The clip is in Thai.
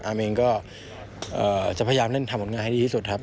เองก็จะพยายามเล่นทำผลงานให้ดีที่สุดครับ